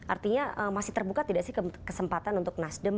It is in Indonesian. artinya masih terbuka tidak sih kesempatan untuk nasdem